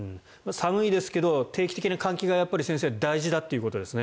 寒いですけど定期的な換気が大事だということですね。